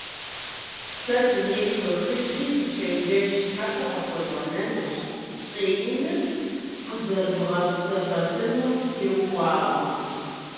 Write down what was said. Сэ дунейм сохыжри, зы чэнджэщ щхьэпэ къыпхуэзгъэнэнущ, щӀэиныр къызэрыбгъэсэбэпынум теухуауэ.